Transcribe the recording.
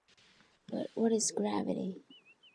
But what is "gravity"?